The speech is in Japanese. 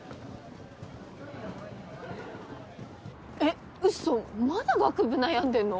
えっウソまだ学部悩んでんの？